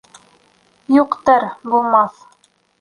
Юҡтыр, булмаҫ.